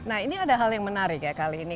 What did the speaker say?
nah ini ada hal yang menarik ya kali ini